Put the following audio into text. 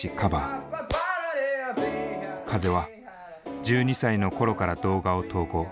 風は１２歳の頃から動画を投稿。